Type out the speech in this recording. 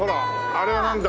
あれはなんだ？